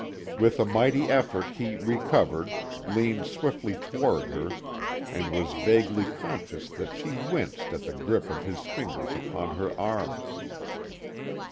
With a mighty effort he recovered, leaned swiftly toward her and was vaguely conscious that she winced at the grip of his fingers upon her arm.